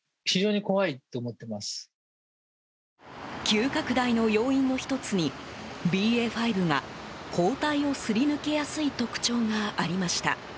急拡大の要因の１つにＢＡ．５が抗体をすり抜けやすい特徴がありました。